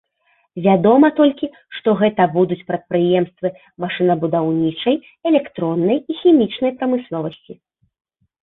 Вядома толькі, што гэта будуць прадпрыемствы машынабудаўнічай, электроннай і хімічнай прамысловасці.